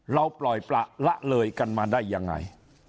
เราปล่อยประละเลยกันมาได้ยังไง